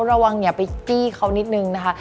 ระวังอย่าไปจี้เขานิดนึงนะคะ